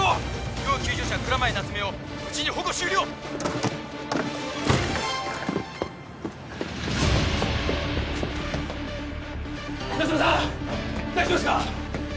要救助者蔵前夏梅を無事に保護終了夏梅さん大丈夫ですか！